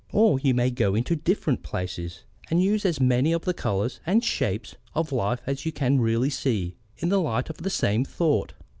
Or you may go into different places and use as many of the colours and shapes of life as you can really see in the light of the same thought.